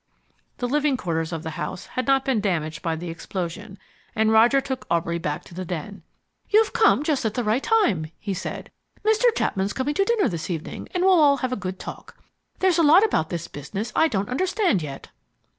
The living quarters of the house had not been damaged by the explosion, and Roger took Aubrey back to the den. "You've come just at the right time," he said. "Mr. Chapman's coming to dinner this evening, and we'll all have a good talk. There's a lot about this business I don't understand yet."